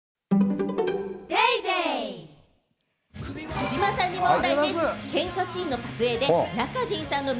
児嶋さんに問題でぃす。